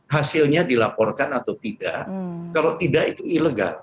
hasilnya dilaporkan atau tidak kalau tidak itu ilegal